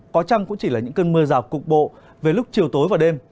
có chăng cũng chỉ là những cơn mưa rào cục bộ về lúc chiều tối và đêm